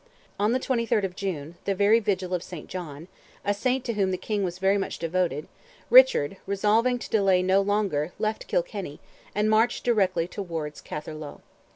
On the 23rd of June, "the very vigil of St. John," a saint to whom the King was very much devoted, Richard, resolving to delay no longer, left Kilkenny, and marched directly towards Catherlough.